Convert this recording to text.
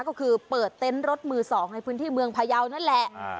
ก็คือเปิดเต็นต์รถมือ๒ในพื้นที่เมืองพยาวนั่นแหละ